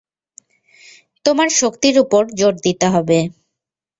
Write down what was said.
তোমার শক্তির উপর জোর দিতে হবে।